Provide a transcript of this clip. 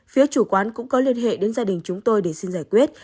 phía chủ quán cũng có liên hệ đến gia đình chúng tôi để xin giải quyết